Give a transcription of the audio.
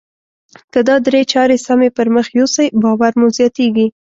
که دا درې چارې سمې پر مخ يوسئ باور مو زیاتیږي.